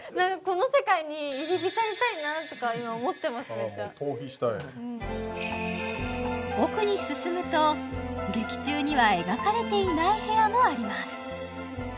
めっちゃ逃避したいうん奥に進むと劇中には描かれていない部屋もあります